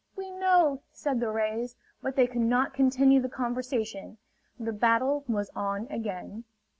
We know!" said the rays. But they could not continue the conversation: the battle was on again.